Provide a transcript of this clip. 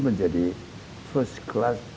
menjadi first class